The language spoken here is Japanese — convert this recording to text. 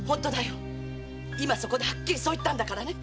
今そこではっきりそう言ったんだからね。